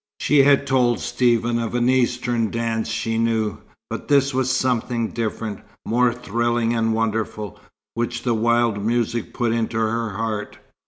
She had told Stephen of an Eastern dance she knew, but this was something different, more thrilling and wonderful, which the wild music put into her heart.